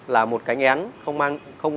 là một cái nghén